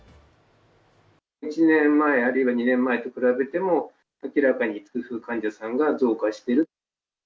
１年前、あるいは２年前と比べても、明らかに痛風患者さんが増加している。